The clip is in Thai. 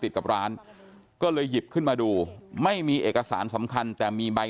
ติดกับร้านก็เลยหยิบขึ้นมาดูไม่มีเอกสารสำคัญแต่มีใบ